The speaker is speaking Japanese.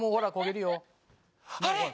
あれ？